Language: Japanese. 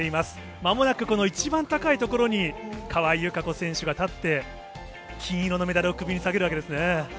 まもなくこの一番高い所に、川井友香子選手が立って、金色のメダルを首に提げるわけですね。